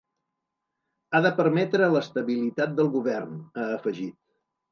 Ha de permetre l’estabilitat del govern, ha afegit.